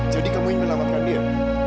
jadi kamu ingin melamatkan dia